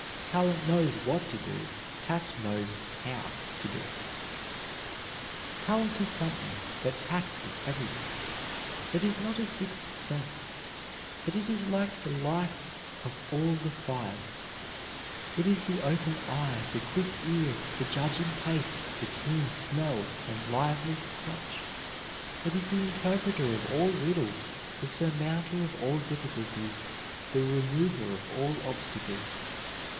Talent knows what to do, tact knows how to do it. "Talent is something, but tact is everything. It is not a sixth sense, but it is like the life of all the five. It is the open eye, the quick ear, the judging taste, the keen smell, and lively touch; it is the interpreter of all riddles, the surmounter of all difficulties, the remover of all obstacles."